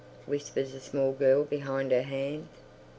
whispers a small girl behind her hand.